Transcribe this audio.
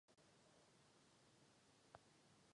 Hlavní postavou hry je Max.